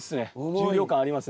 重量感ありますね。